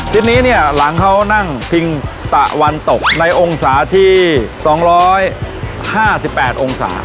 ทิศนี้เนี่ยหลังเขานั่งพิงตะวันตกในองศาที่สองร้อยห้าสิบแปดองศา